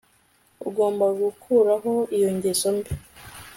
Ugomba gukuraho iyo ngeso mbi